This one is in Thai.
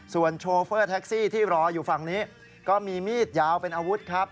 ส่วนโชเฟอร์แท็กซี่ที่รออยู่ฝั่งนี้ก็มีมีดยาวเป็นอาวุธครับ